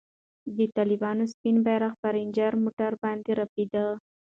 د طالبانو سپین بیرغ پر رنجر موټر باندې رپېده.